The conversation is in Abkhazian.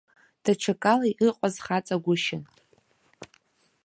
Даҽакала иҟаз хаҵагәышьан.